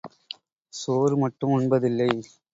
சோறு மட்டும் உண்பதில்லை.